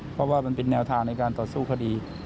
เพราะว่ามันเป็นแนวทางในการต่อสู้คดี